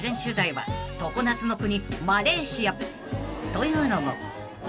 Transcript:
［というのも］